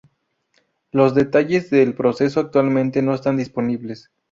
Los detalles del proceso actualmente no están disponibles.